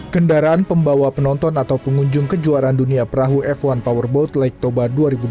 kendaraan pembawa penonton atau pengunjung kejuaraan dunia perahu f satu powerboat lake toba